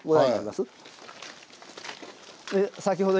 先ほど。